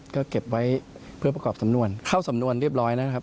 ก็เก็บไว้เพื่อประกอบสำนวนเข้าสำนวนเรียบร้อยแล้วนะครับ